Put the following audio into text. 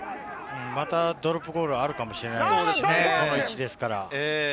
またドロップゴールがあるかもしれないですね、この位置ですから。